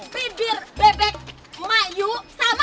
itu bibir bebeknya punya emak